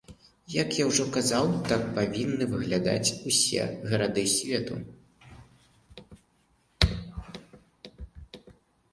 Як я ўжо казаў, так павінны выглядаць усе гарады свету.